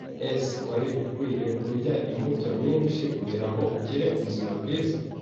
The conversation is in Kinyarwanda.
[S] Wari ukwiye kurya imbuto nyinshi kugirango ugire ubuzima bwiza.